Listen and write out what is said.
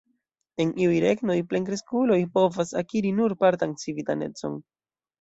En iuj regnoj plenkreskuloj povas akiri nur partan civitanecon.